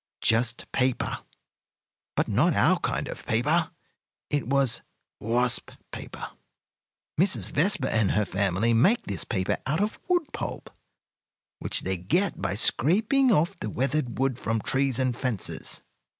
Just paper. But not our kind of paper; it was wasp paper. Mrs. Vespa and her family make this paper out of wood pulp, which they get by scraping off the weathered wood from trees and fences.